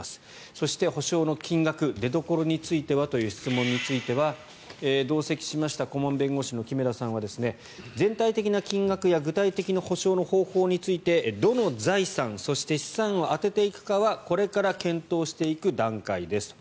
そして補償の金額出どころについてはという質問については同席しました顧問弁護士の木目田さんは全体的な金額や具体的な補償の方法についてどの財産そして資産を充てていくかはこれから検討していく段階です。